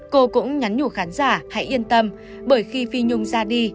cô cũng nhắn nhủ khán giả hãy yên tâm bởi khi phi nhung ra đi